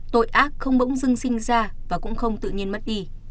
tội ác không bỗng dưng sinh ra và cũng không tự nhiên mất đi